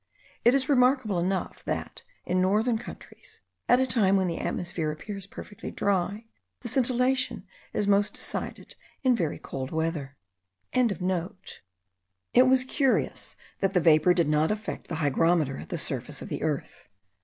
It is remarkable enough, that, in northern countries, at a time when the atmosphere appears perfectly dry, the scintillation is most decided in very cold weather.) It was curious that the vapour did not affect the hygrometer at the surface of the earth.